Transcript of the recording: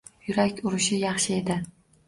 Yurak urishi yaxshi edi.